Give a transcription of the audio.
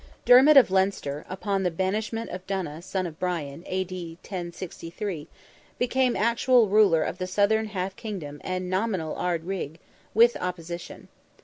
Dermid of Leinster, upon the banishment of Donogh, son of Brian (A.D. 1063), became actual ruler of the southern half kingdom and nominal Ard Righ, "with opposition."